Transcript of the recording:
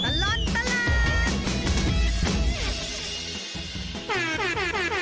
ช่วงตลอดตลาด